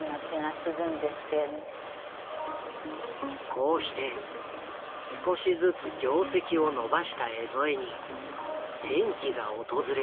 こうして少しずつ業績を伸ばした江副に転機が訪れる。